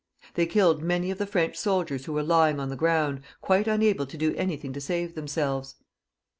They kiQed many of the French soldiers who were lying on the ground, quite unable to do any thing to save themselves.